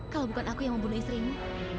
kalau bukan aku yang membunuh istrimu